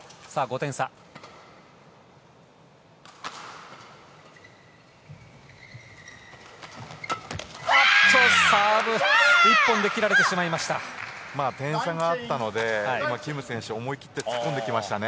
点差があったのでキム選手思い切って突っ込んでいましたね。